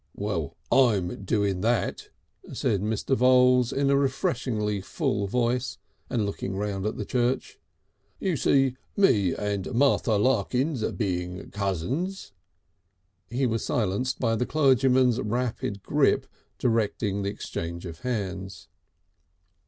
"Well, I'm doing that," said Mr. Voules in a refreshingly full voice and looking round the church. "You see, me and Martha Larkins being cousins " He was silenced by the clergyman's rapid grip directing the exchange of hands.